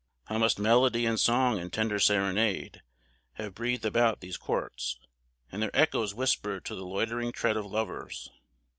How must melody, and song, and tender serenade, have breathed about these courts, and their echoes whispered to the loitering tread of lovers!